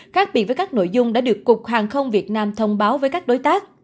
khác biệt với các nội dung đã được cục hàng không việt nam thông báo với các đối tác